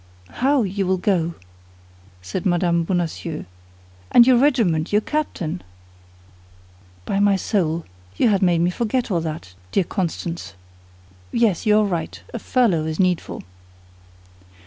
"How, you will go!" said Mme. Bonacieux; "and your regiment, your captain?" "By my soul, you had made me forget all that, dear Constance! Yes, you are right; a furlough is needful."